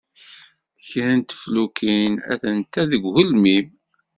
Kra n teflukin atent-a deg ugelmim.